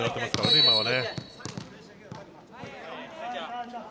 今はね。